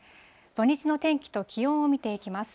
土日の天気と気温を見ていきます。